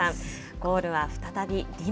ゴールは再び、リマ。